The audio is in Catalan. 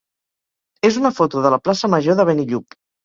és una foto de la plaça major de Benillup.